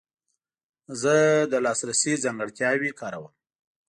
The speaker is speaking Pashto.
زه د لاسرسي ځانګړتیاوې کاروم.